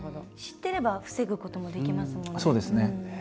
知ってれば防ぐこともできますもんね。